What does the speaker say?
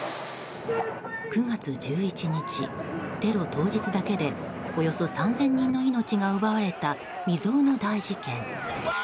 ９月１１日、テロ当日だけでおよそ３０００人の命が奪われた未曽有の大事件。